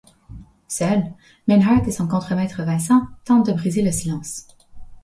Seuls, Meinhard et son contremaître Vincent tentent de briser le silence.